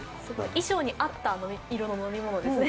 衣装に合った色の飲み物ですね。